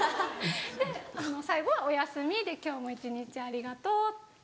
で最後は「おやすみ」で「今日も一日ありがとう」。